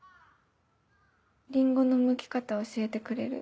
リンゴのむき方教えてくれる？